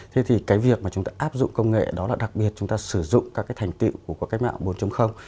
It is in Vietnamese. thì cái việc mà chúng ta áp dụng công nghệ đó là đặc biệt chúng ta sử dụng các cái thành tựu của các cái mạng bốn